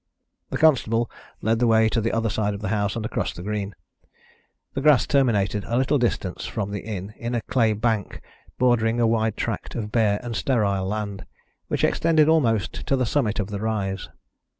The constable led the way to the other side of the house and across the green. The grass terminated a little distance from the inn in a clay bank bordering a wide tract of bare and sterile land, which extended almost to the summit of the rise.